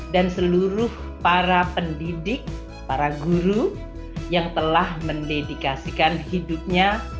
dan seluruh para pendidik para guru yang telah mendedikasikan hidupnya